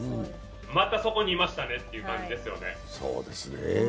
またそこにいましたねっていう感じですね。